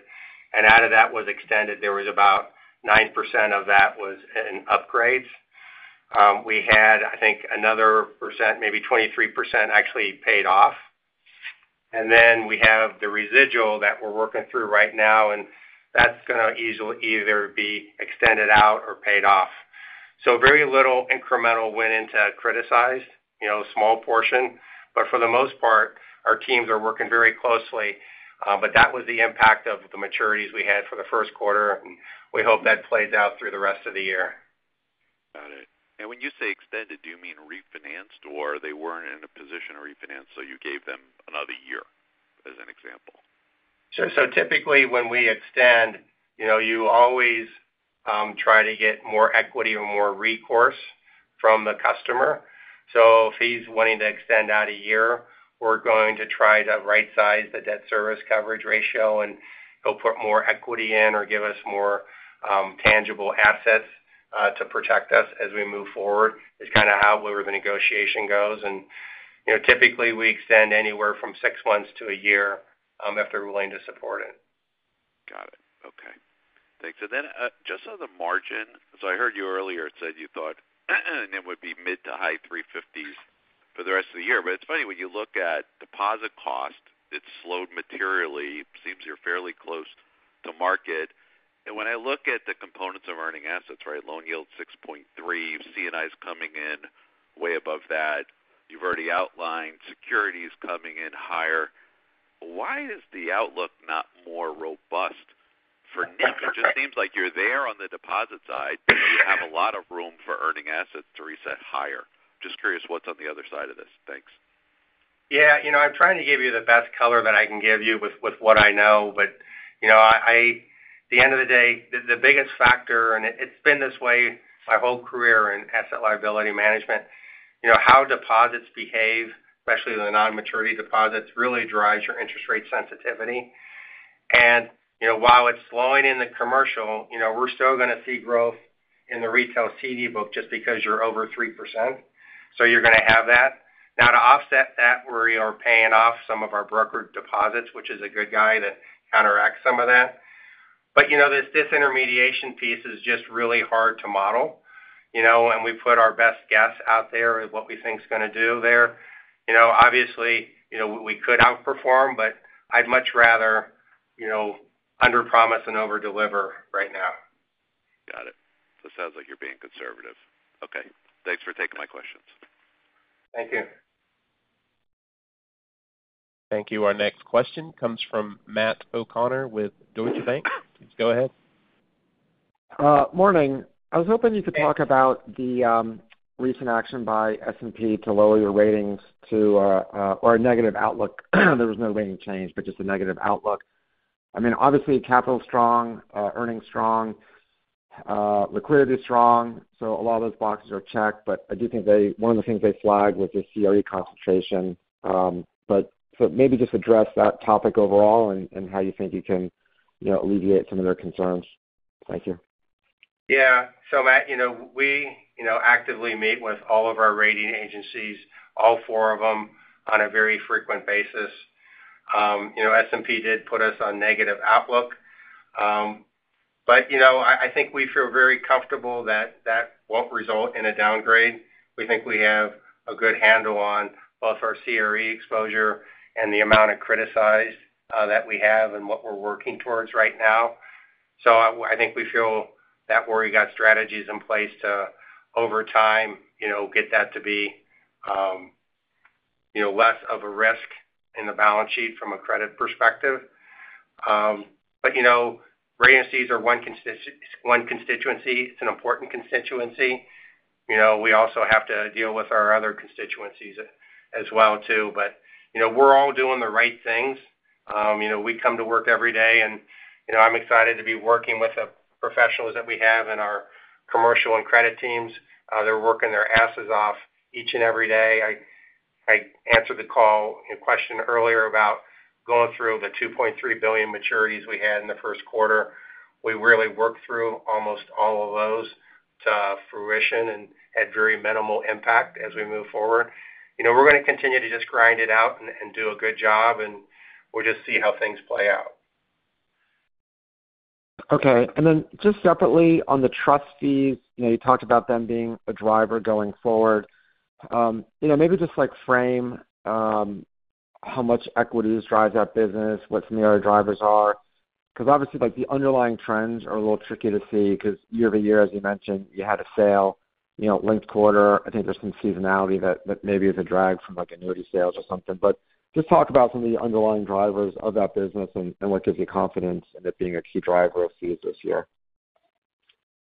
Out of that was extended, there was about 9% of that was in upgrades. We had, I think, another percent, maybe 23%, actually paid off. And then we have the residual that we're working through right now, and that's going to either be extended out or paid off. So very little incremental went into criticized, small portion. But for the most part, our teams are working very closely. But that was the impact of the maturities we had for the first quarter, and we hope that plays out through the rest of the year. Got it. And when you say extended, do you mean refinanced, or they weren't in a position to refinance, so you gave them another year as an example? So typically, when we extend, you always try to get more equity or more recourse from the customer. So if he's wanting to extend out a year, we're going to try to right-size the debt service coverage ratio, and he'll put more equity in or give us more tangible assets to protect us as we move forward. It's kind of how, where the negotiation goes. And typically, we extend anywhere from six months to a year if they're willing to support it. Got it. Okay. Thanks. And then just on the margin, so I heard you earlier, it said you thought and it would be mid to high 350s for the rest of the year. But it's funny, when you look at deposit cost, it slowed materially. It seems you're fairly close to market. And when I look at the components of earning assets, right, loan yield 6.3, C&I is coming in way above that. You've already outlined securities coming in higher. Why is the outlook not more robust for? *audio distortion* It just seems like you're there on the deposit side, but you have a lot of room for earning assets to reset higher. Just curious what's on the other side of this. Thanks. Yeah. I'm trying to give you the best color that I can give you with what I know. But at the end of the day, the biggest factor - and it's been this way my whole career in asset liability management - how deposits behave, especially the non-maturity deposits, really drives your interest rate sensitivity. And while it's slowing in the commercial, we're still going to see growth in the retail CD book just because you're over 3%. So you're going to have that. Now, to offset that, we are paying off some of our brokered deposits, which is a good thing that counteracts some of that. But disintermediation piece is just really hard to model. And we put our best guess out there of what we think's going to do there. Obviously, we could outperform, but I'd much rather underpromise than overdeliver right now. Got it. So it sounds like you're being conservative. Okay. Thanks for taking my questions. Thank you. Thank you. Our next question comes from Matt O'Connor with Deutsche Bank. Please go ahead. Morning. I was hoping you could talk about the recent action by S&P to lower your ratings to a negative outlook. There was no rating change, but just a negative outlook. I mean, obviously, capital strong, earnings strong, liquidity strong. So a lot of those boxes are checked. But I do think one of the things they flagged was the CRE concentration. But maybe just address that topic overall and how you think you can alleviate some of their concerns. Thank you. Yeah. So Matt, we actively meet with all of our rating agencies, all four of them, on a very frequent basis. S&P did put us on negative outlook. But I think we feel very comfortable that that won't result in a downgrade. We think we have a good handle on both our CRE exposure and the amount of criticized that we have and what we're working towards right now. So I think we feel that we've got strategies in place to, over time, get that to be less of a risk in the balance sheet from a credit perspective. But agencies are one constituency. It's an important constituency. We also have to deal with our other constituencies as well too. But we're all doing the right things. We come to work every day, and I'm excited to be working with the professionals that we have in our commercial and credit teams. They're working their asses off each and every day. I answered the call question earlier about going through the $2.3 billion maturities we had in the first quarter. We really worked through almost all of those to fruition and had very minimal impact as we move forward. We're going to continue to just grind it out and do a good job, and we'll just see how things play out. Okay. And then just separately on the trust fees, you talked about them being a driver going forward. Maybe just frame how much equity drives that business, what some of the other drivers are. Because obviously, the underlying trends are a little tricky to see because year-to-year, as you mentioned, you had a sale-linked quarter. I think there's some seasonality that maybe is a drag from annuity sales or something. But just talk about some of the underlying drivers of that business and what gives you confidence in it being a key driver of fees this year.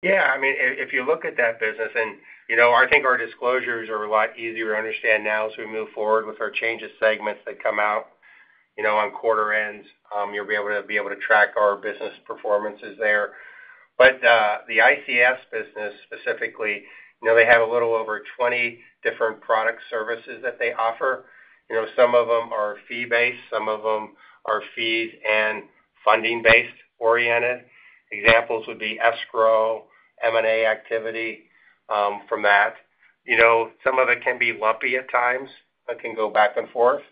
Yeah. I mean, if you look at that business and I think our disclosures are a lot easier to understand now as we move forward with our changes segments that come out on quarter ends. You'll be able to track our business performances there. But the ICS business specifically, they have a little over 20 different product services that they offer. Some of them are fee-based. Some of them are fees and funding-based oriented. Examples would be escrow, M&A activity from that. Some of it can be lumpy at times. It can go back and forth.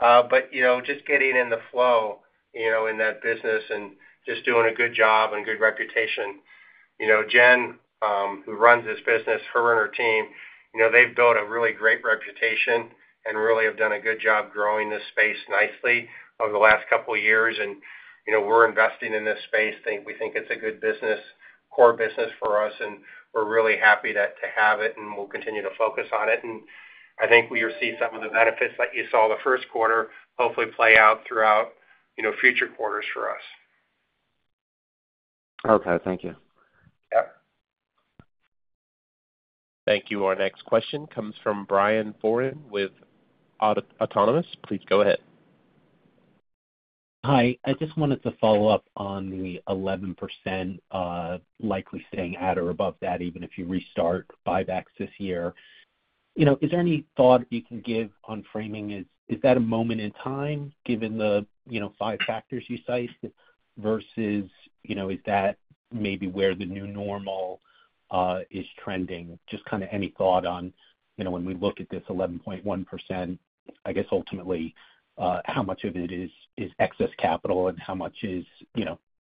But just getting in the flow in that business and just doing a good job and good reputation. Jen, who runs this business, her and her team, they've built a really great reputation and really have done a good job growing this space nicely over the last couple of years. And we're investing in this space. We think it's a good business, core business for us, and we're really happy to have it, and we'll continue to focus on it. And I think we'll see some of the benefits that you saw the first quarter hopefully play out throughout future quarters for us. Okay. Thank you. Yep. Thank you. Our next question comes from Brian Foran with Autonomous. Please go ahead. Hi. I just wanted to follow up on the 11% likely staying at or above that even if you restart buybacks this year. Is there any thought you can give on framing? Is that a moment in time given the five factors you cite versus is that maybe where the new normal is trending? Just kind of any thought on when we look at this 11.1%, I guess ultimately, how much of it is excess capital and how much is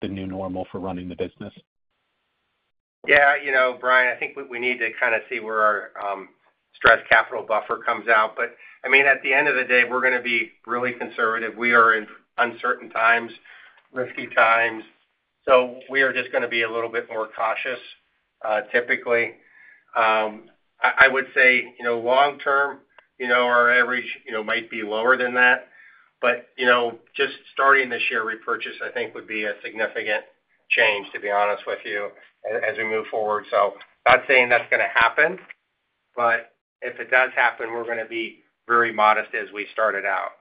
the new normal for running the business? Yeah. Brian, I think we need to kind of see where our Stress Capital Buffer comes out. But I mean, at the end of the day, we're going to be really conservative. We are in uncertain times, risky times. So we are just going to be a little bit more cautious typically. I would say long-term, our average might be lower than that. But just starting this year repurchase, I think, would be a significant change, to be honest with you, as we move forward. Not saying that's going to happen, but if it does happen, we're going to be very modest as we start it out.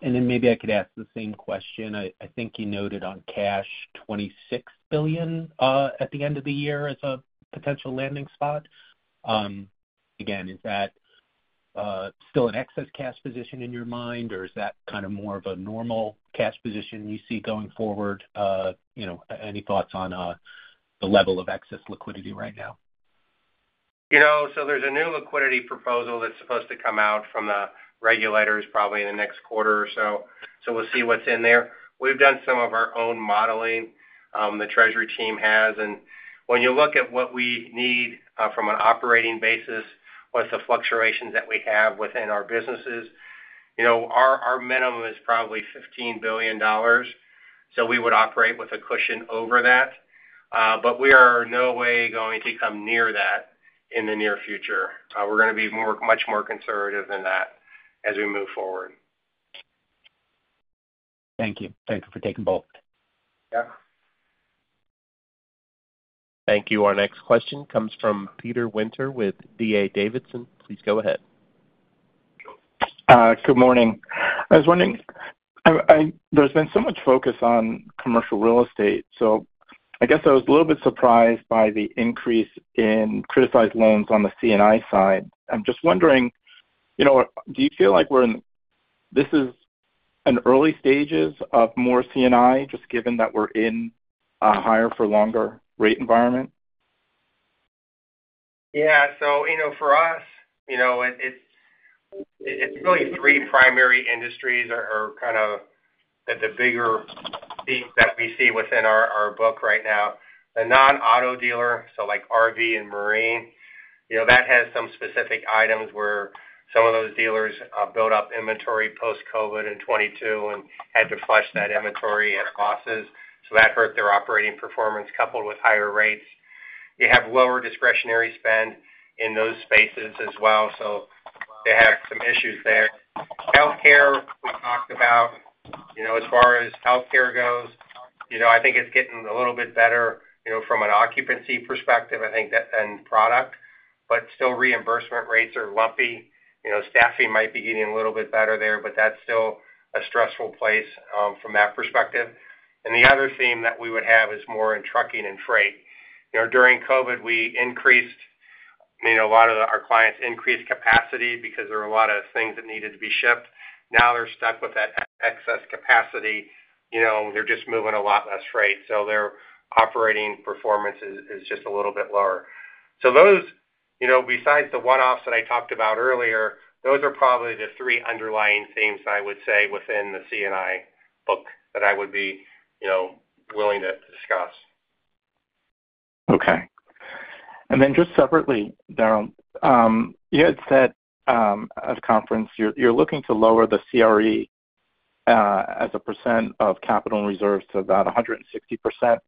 Then maybe I could ask the same question. I think you noted on cash, $26 billion at the end of the year as a potential landing spot. Again, is that still an excess cash position in your mind, or is that kind of more of a normal cash position you see going forward? Any thoughts on the level of excess liquidity right now? There's a new liquidity proposal that's supposed to come out from the regulators probably in the next quarter or so. We'll see what's in there. We've done some of our own modeling. The treasury team has. And when you look at what we need from an operating basis with the fluctuations that we have within our businesses, our minimum is probably $15 billion. So we would operate with a cushion over that. But we are no way going to come near that in the near future. We're going to be much more conservative than that as we move forward. Thank you. Thank you for taking both. Yeah. Thank you. Our next question comes from Peter Winter with D.A. Davidson. Please go ahead. Good morning. I was wondering, there's been so much focus on commercial real estate, so I guess I was a little bit surprised by the increase in criticized loans on the C&I side. I'm just wondering, do you feel like we're in this is in early stages of more C&I just given that we're in a higher-for-longer rate environment? Yeah. So for us, it's really three primary industries that are kind of the bigger themes that we see within our book right now. The non-auto dealer, so like RV and Marine, that has some specific items where some of those dealers built up inventory post-COVID in 2022 and had to flush that inventory at losses. So that hurt their operating performance coupled with higher rates. You have lower discretionary spend in those spaces as well, so they have some issues there. Healthcare, we talked about. As far as healthcare goes, I think it's getting a little bit better from an occupancy perspective, I think, than product. But still, reimbursement rates are lumpy. Staffing might be getting a little bit better there, but that's still a stressful place from that perspective. And the other theme that we would have is more in trucking and freight. During COVID, we increased a lot of our clients' capacity because there were a lot of things that needed to be shipped. Now they're stuck with that excess capacity, and they're just moving a lot less freight. So their operating performance is just a little bit lower. So besides the one-offs that I talked about earlier, those are probably the three underlying themes, I would say, within the C&I book that I would be willing to discuss. Okay. And then just separately, Darren King, you had said at a conference you're looking to lower the CRE as a percent of capital and reserves to about 160%.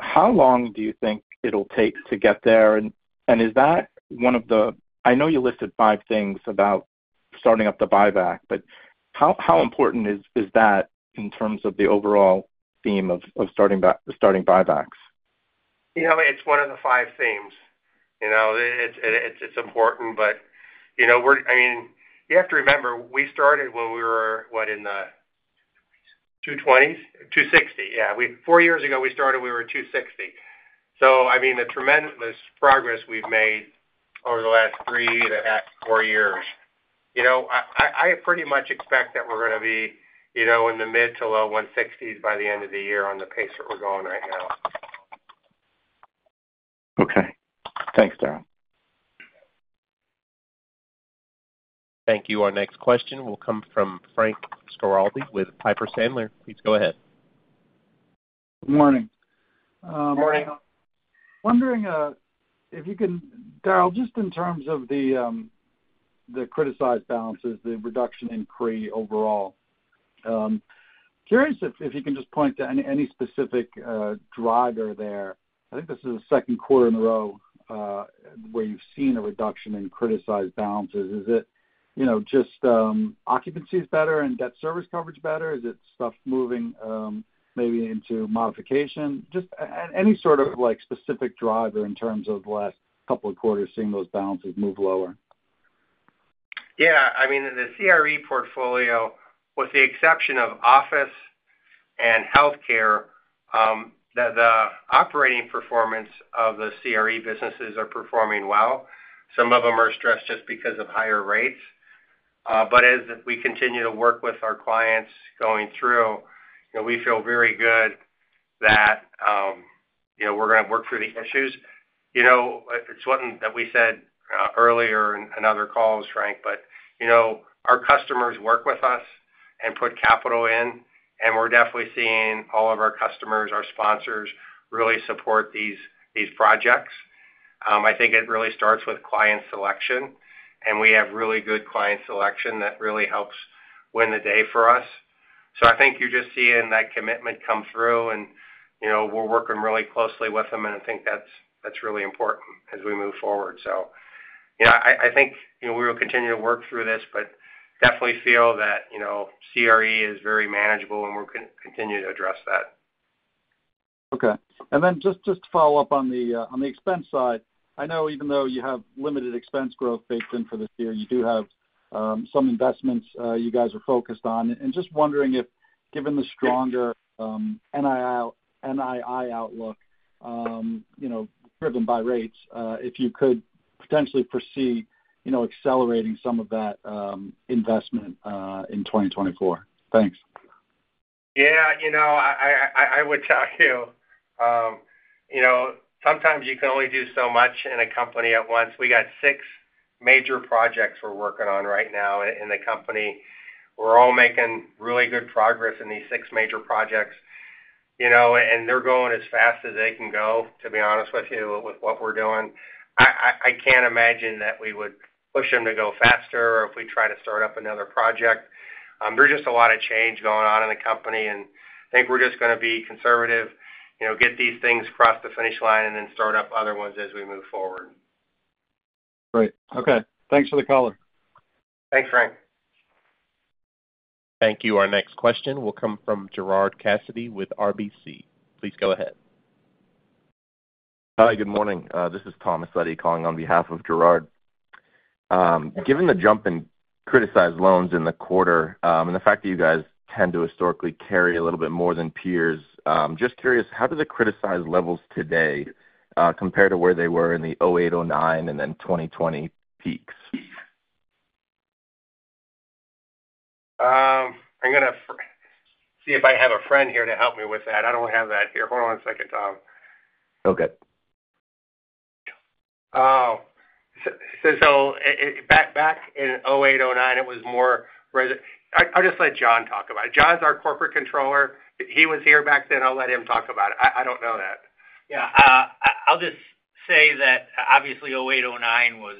How long do you think it'll take to get there? And is that one of the I know you listed five things about starting up the buyback, but how important is that in terms of the overall theme of starting buybacks? It's one of the five themes. It's important, but I mean, you have to remember, we started when we were, what, in the 220%s? 260%. Yeah. Four years ago, we started. We were at 260%. So I mean, the progress we've made over the last three and a half to four years, I pretty much expect that we're going to be in the mid to low 160s by the end of the year on the pace that we're going right now. Okay. Thanks, Daryl. Thank you. Our next question will come from Frank Schiraldi with Piper Sandler. Please go ahead. Good morning. Morning. I'm wondering if you can, Daryl, just in terms of the criticized balances, the reduction in CRE overall, curious if you can just point to any specific driver there. I think this is the second quarter in a row where you've seen a reduction in criticized balances. Is it just occupancy's better and debt service coverage better? Is it stuff moving maybe into modification? Just any sort of specific driver in terms of the last couple of quarters seeing those balances move lower? Yeah. I mean, the CRE portfolio, with the exception of office and healthcare, the operating performance of the CRE businesses are performing well. Some of them are stressed just because of higher rates. But as we continue to work with our clients going through, we feel very good that we're going to work through the issues. It's something that we said earlier in other calls, Frank, but our customers work with us and put capital in, and we're definitely seeing all of our customers, our sponsors really support these projects. I think it really starts with client selection, and we have really good client selection that really helps win the day for us. So I think you're just seeing that commitment come through, and we're working really closely with them, and I think that's really important as we move forward. So I think we will continue to work through this but definitely feel that CRE is very manageable, and we'll continue to address that. Okay. And then just to follow up on the expense side, I know even though you have limited expense growth baked in for this year, you do have some investments you guys are focused on. And just wondering if given the stronger NII outlook driven by rates, if you could potentially foresee accelerating some of that investment in 2024. Thanks. Yeah. I would tell you, sometimes you can only do so much in a company at once. We got six major projects we're working on right now in the company. We're all making really good progress in these six major projects, and they're going as fast as they can go, to be honest with you, with what we're doing. I can't imagine that we would push them to go faster or if we try to start up another project. There's just a lot of change going on in the company, and I think we're just going to be conservative, get these things across the finish line, and then start up other ones as we move forward. Great. Okay. Thanks for the call. Thanks, Frank. Thank you. Our next question will come from Gerard Cassidy with RBC. Please go ahead. Hi. Good morning. This is Thomas Leddy calling on behalf of Gerard. Given the jump in criticized loans in the quarter and the fact that you guys tend to historically carry a little bit more than peers, just curious, how do the criticized levels today compare to where they were in the 2008, 2009, and then 2020 peaks? I'm going to see if I have a friend here to help me with that. I don't have that here. Hold on a second, Tom. Okay. So back in 2008, 2009, it was more. I'll just let John talk about it. John's our corporate controller. He was here back then. I'll let him talk about it. I don't know that. Yeah. I'll just say that obviously, 2008, 2009 was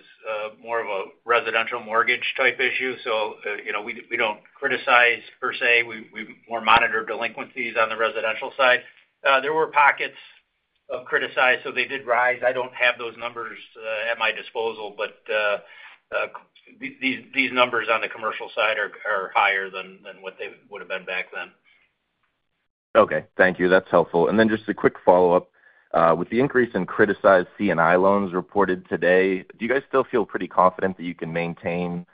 more of a residential mortgage type issue, so we don't criticize per se. We more monitor delinquencies on the residential side. There were pockets of criticized, so they did rise. I don't have those numbers at my disposal, but these numbers on the commercial side are higher than what they would have been back then. Okay. Thank you. That's helpful. And then just a quick follow-up, with the increase in criticized C&I loans reported today, do you guys still feel pretty confident that you can maintain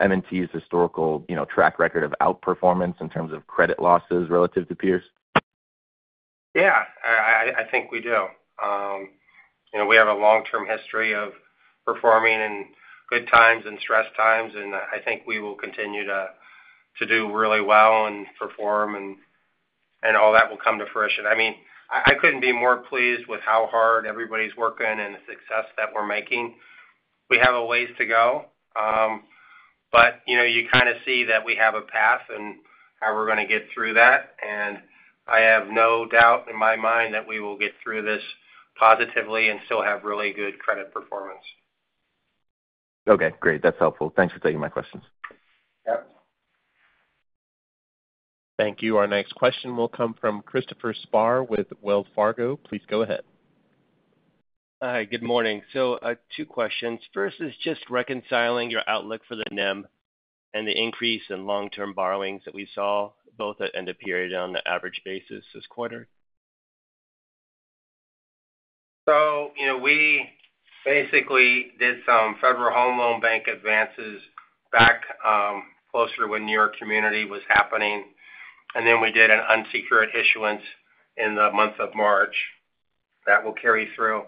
M&T's historical track record of outperformance in terms of credit losses relative to peers? Yeah. I think we do. We have a long-term history of performing in good times and stress times, and I think we will continue to do really well and perform, and all that will come to fruition. I mean, I couldn't be more pleased with how hard everybody's working and the success that we're making. We have a ways to go, but you kind of see that we have a path and how we're going to get through that. I have no doubt in my mind that we will get through this positively and still have really good credit performance. Okay. Great. That's helpful. Thanks for taking my questions. Yep. Thank you. Our next question will come from Christopher Spahr with Wells Fargo. Please go ahead. Hi. Good morning. So two questions. First is just reconciling your outlook for the NIM and the increase in long-term borrowings that we saw both at end of period and on the average basis this quarter. So we basically did some Federal Home Loan Bank advances back closer to when New York Community was happening, and then we did an unsecured issuance in the month of March that will carry through.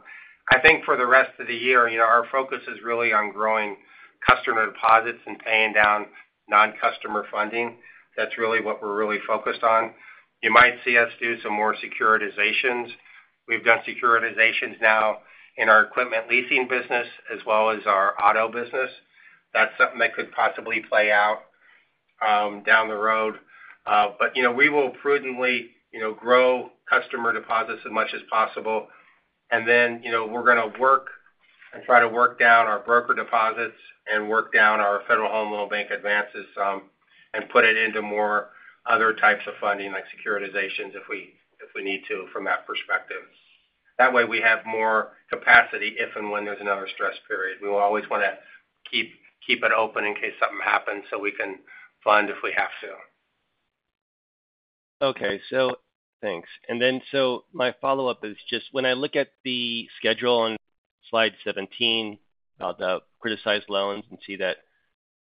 I think for the rest of the year, our focus is really on growing customer deposits and paying down non-customer funding. That's really what we're really focused on. You might see us do some more securitizations. We've done securitizations now in our equipment leasing business as well as our auto business. That's something that could possibly play out down the road, but we will prudently grow customer deposits as much as possible. And then we're going to work and try to work down our broker deposits and work down our Federal Home Loan Bank advances and put it into more other types of funding like securitizations if we need to from that perspective. That way, we have more capacity if and when there's another stress period. We will always want to keep it open in case something happens so we can fund if we have to. Okay. So. Thanks. Then my follow-up is just when I look at the schedule on slide 17 about the criticized loans and see that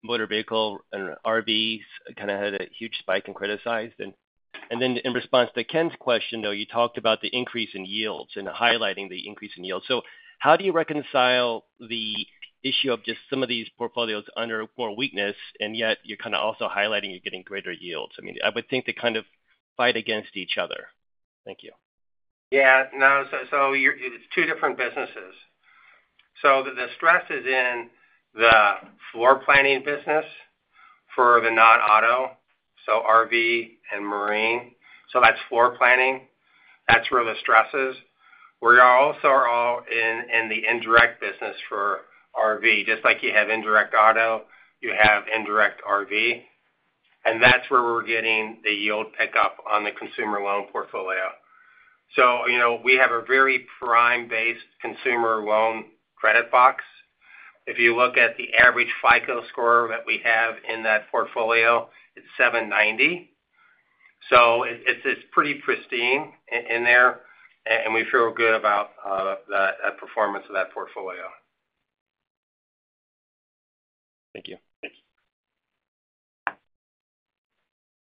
motor vehicle and RVs kind of had a huge spike in criticized, and then in response to Ken's question, though, you talked about the increase in yields and highlighting the increase in yields. So how do you reconcile the issue of just some of these portfolios under more weakness, and yet you're kind of also highlighting you're getting greater yields? I mean, I would think they kind of fight against each other. Thank you. Yeah. No. So it's two different businesses. So the stress is in the floor planning business for the non-auto, so RV and Marine. So that's floor planning. That's where the stress is. We also are all in the indirect business for RV. Just like you have indirect auto, you have indirect RV, and that's where we're getting the yield pickup on the consumer loan portfolio. So we have a very prime-based consumer loan credit box. If you look at the average FICO score that we have in that portfolio, it's 790. So it's pretty pristine in there, and we feel good about the performance of that portfolio. Thank you.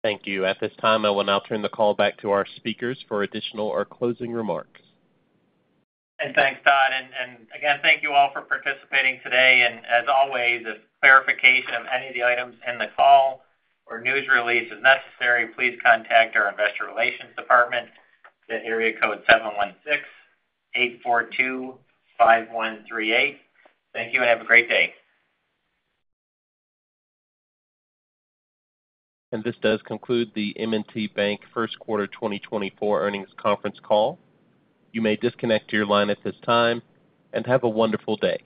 Thank you. At this time, I will now turn the call back to our speakers for additional or closing remarks. And thanks, Todd. And again, thank you all for participating today. And as always, if clarification of any of the items in the call or news release is necessary, please contact our investor relations department. The area code's 716-842-5138. Thank you, and have a great day. And this does conclude the M&T Bank first quarter 2024 earnings conference call. You may disconnect your line at this time and have a wonderful day.